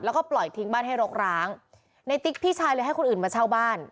แล้วก็ปล่อยทิ้งบ้านให้รกร้างในติ๊กพี่ชายเลยให้คนอื่นมาเช่าบ้าน